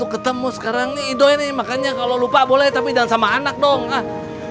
ketemu sekarang nih doi nih makanya kalau lupa boleh tapi jangan sama anak dong ah